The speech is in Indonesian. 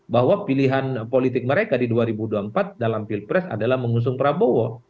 bahwa pilihan politik mereka di dua ribu dua puluh empat dalam pilpres adalah mengusung prabowo